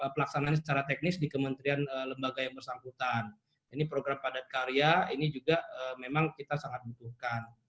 pelaksanaan secara teknis di kementerian lembaga yang bersangkutan ini program padat karya ini juga memang kita sangat butuhkan